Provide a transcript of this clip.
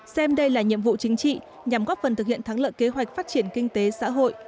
xem đây là nhiệm vụ chính trị nhằm góp phần thực hiện thắng lợi kế hoạch phát triển kinh tế xã hội